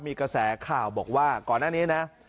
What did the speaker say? มีกระแสข่าวบอกว่าก่อนหน้านี้นะ